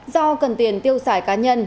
do cần tiền tiêu sải cá nhân